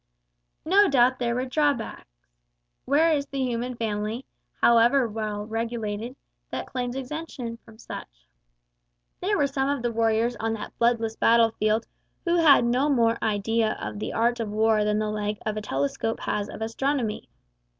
No doubt there were drawbacks. Where is the human family, however well regulated, that claims exemption from such? There were some of the warriors on that bloodless battle field who had no more idea of the art of war than the leg of a telescope has of astronomy.